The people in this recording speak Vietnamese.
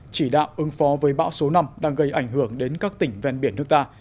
chỉ đạo ứng phó với bão số năm đang gây ảnh hưởng đến các tỉnh ven biển nước ta